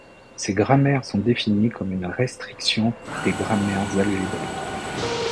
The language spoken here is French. Ces grammaires sont définies comme une restriction des grammaires algébriques.